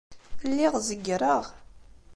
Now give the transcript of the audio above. Lliɣ zeggreɣ.